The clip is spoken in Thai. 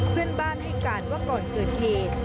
เพื่อนบ้านให้การว่าก่อนเกิดเหตุ